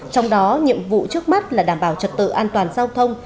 trong đó nhiệm vụ trước mắt là đảm bảo trật tự an toàn giao thông